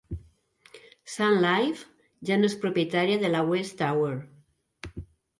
Sun Life ja no és propietària de la West Tower.